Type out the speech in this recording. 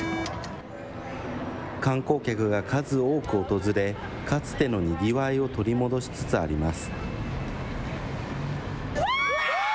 観光客が数多く訪れ、かつてのにぎわいを取り戻しつつあります。